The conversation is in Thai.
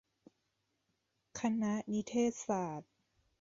คณะนิเทศศาสตร์